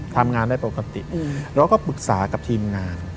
ทำงานได้ปกติเราก็ปรึกษากับทีมงาน